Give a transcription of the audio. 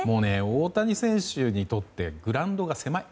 大谷選手にとってグラウンドが狭い。